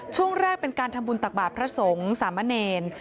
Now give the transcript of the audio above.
ช่วงแรกเป็นการทำบุญตักบาทพระสงฆ์สามะเนร